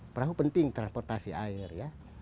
perahu penting transportasi air ya